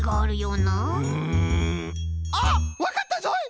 うんあっわかったぞい！